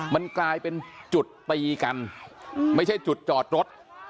มันกลายเป็นจุดตีกันไม่ใช่จุดจอดรถ